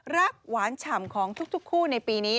หวานฉ่ำของทุกคู่ในปีนี้